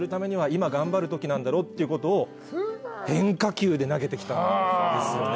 なんだろっていうことを変化球で投げてきたんですよね。